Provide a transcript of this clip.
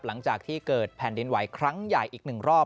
หลังจากที่เกิดแผ่นดินไหวครั้งใหญ่อีกหนึ่งรอบ